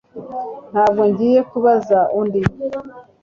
Ntabwo ngiye kubaza undi